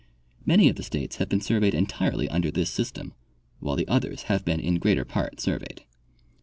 Many of the states have been surveyed entirely under this sys tem, while the others have been in greater part surveyed.